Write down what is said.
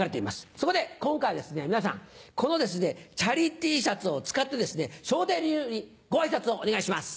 そこで今回は皆さんこのチャリＴシャツを使って笑点流にご挨拶をお願いします。